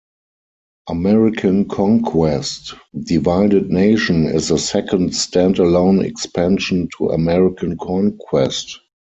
American Conquest: Divided Nation is the second stand-alone expansion to American Conquest.